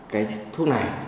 cái thuốc này